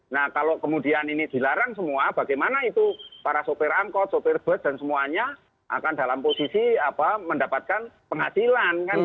nah kalau kemudian ini dilarang semua bagaimana itu para sopir angkot sopir bus dan semuanya akan dalam posisi mendapatkan penghasilan